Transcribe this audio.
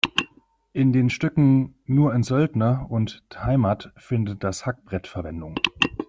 In den Stücken "Nur en Söldner" und "D’Heimat" findet das Hackbrett Verwendung.